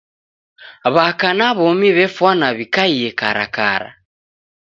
W'aka na w'omi w'efwana w'ikaie karakara.